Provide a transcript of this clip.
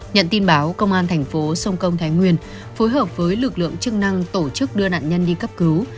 nhận tin báo công an thành phố sông công thái nguyên phối hợp với lực lượng chức năng tổ chức đưa nạn nhân đi cấp cứu